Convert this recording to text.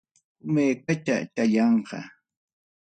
kumuykachallanqa.